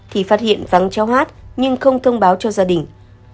thì phát hiện vắng cháu hát nhưng không thông báo cho gia đình